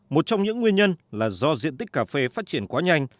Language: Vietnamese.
một trong những nguyên nhân là do diện tích cà phê phát triển quá nhanh